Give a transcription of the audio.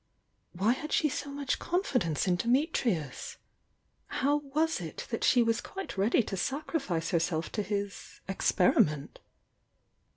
Why had she so much con fidence in Dimitrius? How was it that she was quite ready to sacrifice herself to his "experiment"?